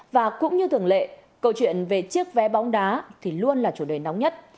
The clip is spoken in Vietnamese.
và cũng như thường lệ câu chuyện về chiếc vé bóng đá thì luôn là chủ đề nóng nhất